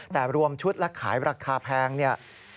แต่รวมชุดและขายราคาแพงเนี่ย